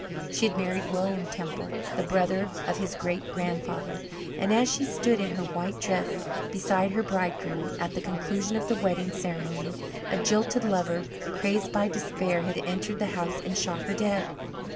She had married William Temple, the brother of his great grandfather, and as she stood in her white dress beside her bridegroom, at the conclusion of the wedding ceremony, a jilted lover, crazed by despair, had entered the house and shot her dead.